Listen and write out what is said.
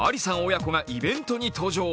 親子がイベントに登場。